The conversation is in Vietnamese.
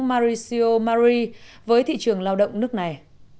mauricio macri với thị trường lao động nước này